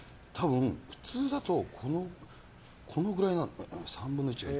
普通だとこのぐらい３分の１ぐらい。